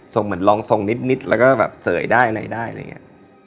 ทรงเหมือนร้องทรงนิดนิดแล้วก็แบบเสยได้อะไรอะไรอย่างเงี้ย